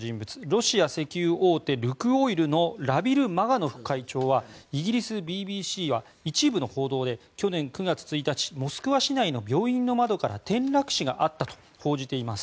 ロシア石油大手ルクオイルのラビル・マガノフ会長はイギリスＢＢＣは一部の報道で、去年９月１日モスクワ市内の病院の窓から転落死があったと報じています。